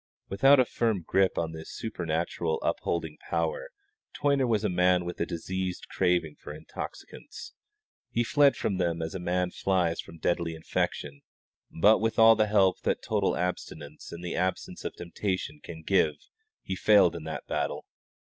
Without a firm grip on this supernatural upholding power Toyner was a man with a diseased craving for intoxicants. He fled from them as a man flies from deadly infection; but with all the help that total abstinence and the absence of temptation can give he failed in the battle.